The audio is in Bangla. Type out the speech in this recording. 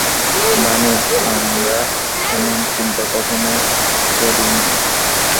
ভানু আমরা এমন চিন্তা কখনও করি নাই।